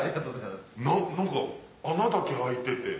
何か穴だけ開いてて。